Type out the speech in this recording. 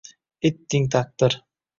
Etding, taqdir